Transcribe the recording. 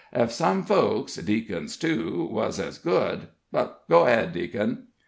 "Ef some folks deacons, too wuz ez good But go ahead, deac'n."